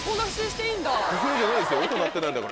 不正じゃないですよ音鳴ってないんだから。